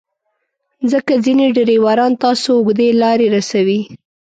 ځکه ځینې ډریوران تاسو اوږدې لارې رسوي.